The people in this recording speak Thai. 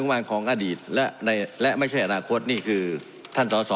วันของอดีตและไม่ใช่อนาคตนี่คือท่านสอสอ